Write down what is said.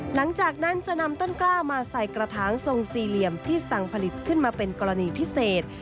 หลังจากนั้นจะนำต้นกล้ามาใส่กระถางทรงสี่เหลี่ยมที่สั่งผลิตขึ้นมาเป็นกรณีพิเศษ